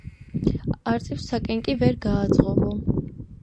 არწივს საკენკი ვერ გააძღობო